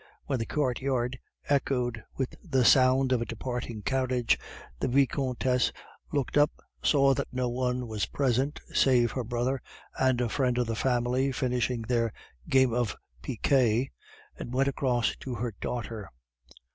When the courtyard echoed with the sound of a departing carriage, the Vicomtesse looked up, saw that no one was present save her brother and a friend of the family finishing their game of piquet, and went across to her daughter.